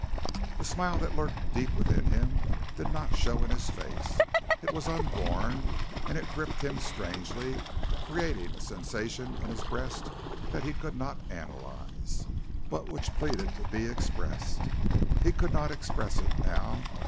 A smile that lurked deep within him did not show in his face it was unborn and it gripped him strangely, creating a sensation in his breast that he could not analyze, but which pleaded to be expressed. He could not express it now.